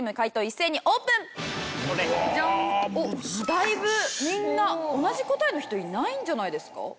だいぶみんな同じ答えの人いないんじゃないですか？